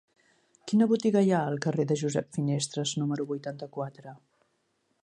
Quina botiga hi ha al carrer de Josep Finestres número vuitanta-quatre?